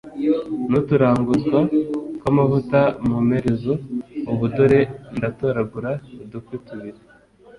nuturanguzwa twamavuta mu mperezo Ubu dore ndatoragura udukwi tubiri